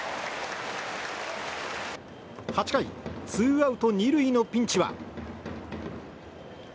８回ツーアウト２塁のピンチは。